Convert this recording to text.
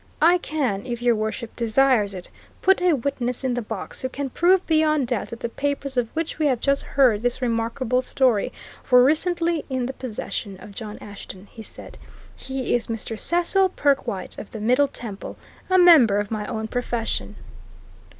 "I can, if Your Worship desires it, put a witness in the box who can prove beyond doubt that the papers of which we have just heard this remarkable story, were recently in the possession of John Ashton," he said. "He is Mr. Cecil Perkwite, of the Middle Temple a member of my own profession."